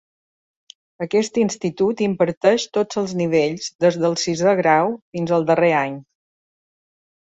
Aquest institut imparteix tots els nivells des del sisè grau fins al darrer any.